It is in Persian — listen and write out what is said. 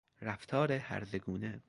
رفتار هرزه گونه